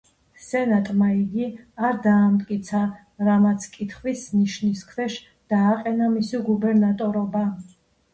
სენატმა იგი არ დაამტკიცა, რამაც კითხვის ნიშნის ქვეშ დააყენა მისი გუბერნატორობა.